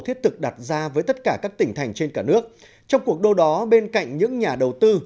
thiết thực đặt ra với tất cả các tỉnh thành trên cả nước trong cuộc đua đó bên cạnh những nhà đầu tư